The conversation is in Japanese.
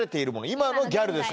今のギャルですね